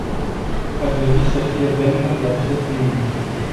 Ar trebui să fie demnă de acest nume.